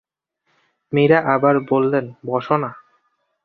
মীরা আবার বললেন, বস না।